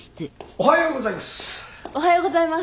おはようございます。